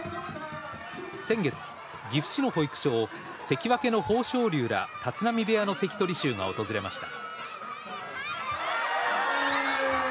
先月、岐阜市の保育所を関脇の豊昇龍ら立浪部屋の関取衆が訪れました。